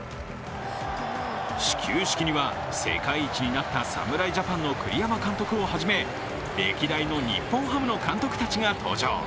始球式には、世界一になった侍ジャパンの栗山監督をはじめ、歴代の日本ハムの監督たちが登場。